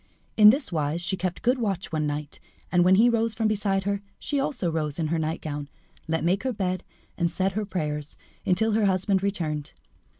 In this wise she kept good watch one night, and, when he rose from beside her, she also rose in her nightgown, let make her bed, and said her prayers until her husband returned.